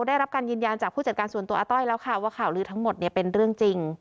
ได้รับการยืนยันจากผู้จัดการส่วนตัวอาต้อยแล้วค่ะว่าข่าวลือทั้งหมดเนี่ยเป็นเรื่องจริง